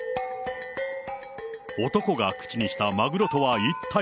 男が口にしたまぐろとは一体。